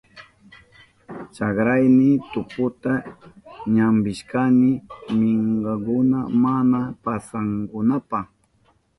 Chakrayni tuputa ñampishkani minkakuna mana pasanankunapa.